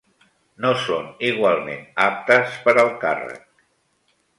No són igualment aptes per al càrrec.